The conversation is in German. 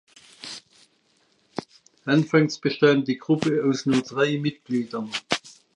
Anfangs bestand die Gruppe aus nur drei Mitgliedern.